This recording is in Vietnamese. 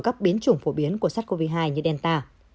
các biến chủng phổ biến của sars cov hai như delta